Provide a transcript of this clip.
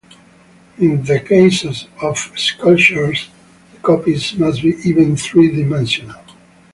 In the case of sculptures, the copies must be even three-dimensional.